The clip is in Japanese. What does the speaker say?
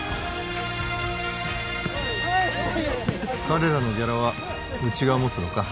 彼らのギャラはうちがもつのか？